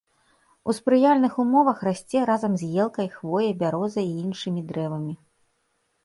У спрыяльных умовах расце разам з елкай, хвояй, бярозай і іншымі дрэвамі.